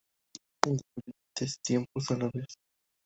En diferentes tiempos o a la vez.